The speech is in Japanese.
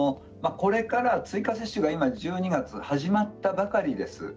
これから追加接種が１２月に始まったばかりです。